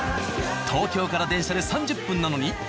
東京から電車で３０分なのに。